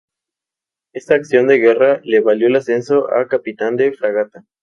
Esta acción de guerra le valió el ascenso a capitán de fragata.